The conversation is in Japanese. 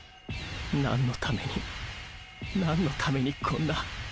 なんのためになんのためにこんな。